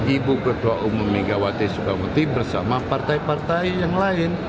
ibu ketua umum megawati sukamuti bersama partai partai yang lain